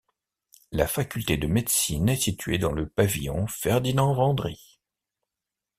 La faculté de médecine est située dans le pavillon Ferdinand-Vandry.